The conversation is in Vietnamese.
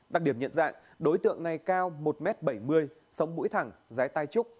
đặc điểm nhận dạng đối tượng này cao một m bảy mươi sống mũi thẳng dái tai trúc